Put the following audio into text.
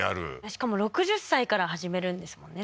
しかも６０歳から始めるんですもんね